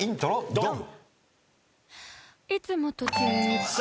ドン！